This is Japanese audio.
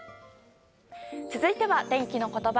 続いては、天気のことば。